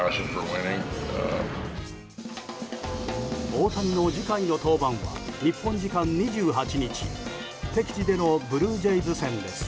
大谷の次回の登板は日本時間２８日敵地でのブルージェイズ戦です。